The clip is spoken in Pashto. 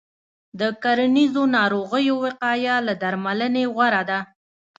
د کرنیزو ناروغیو وقایه له درملنې غوره ده.